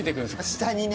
下にね。